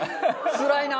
つらいな。